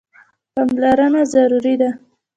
پاملرنه ضروري ده.